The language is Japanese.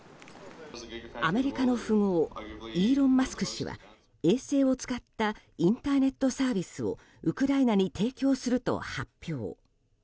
アメリカの富豪イーロン・マスク氏は衛星を使ったインターネットサービスをウクライナに提供すると発表。